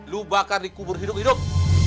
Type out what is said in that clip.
lo bakal dikubur hidup hidup